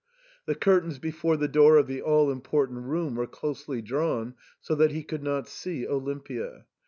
The curtains before the door of the all important room were closely drawn, so that he could not see Olimpia.